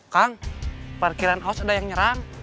kang parkiran kaos ada yang nyerang